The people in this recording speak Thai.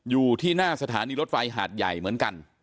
อยู่ที่หน้าสถานีรถไฟหาดใหญ่เหมือนกัน